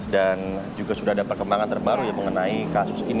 dan juga sudah ada perkembangan terbaru mengenai kasus ini